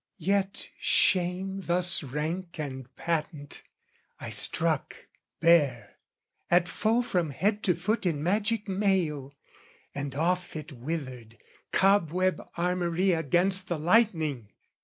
Yet, shame thus rank and patent, I struck, bare, At foe from head to foot in magic mail, And off it withered, cobweb armoury Against the lightning!